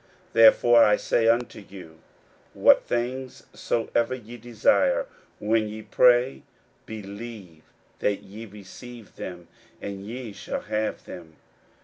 41:011:024 Therefore I say unto you, What things soever ye desire, when ye pray, believe that ye receive them, and ye shall have them.